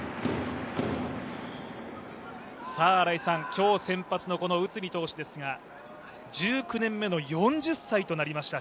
今日、先発の内海投手ですが１９年目の４０歳となりました。